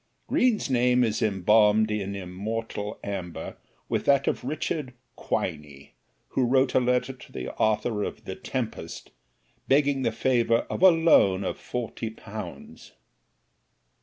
Green's name is embalmed in immortal amber with that of Richard Quiney, who wrote a letter to the author of "The Tempest" begging the favor of a loan of forty pounds.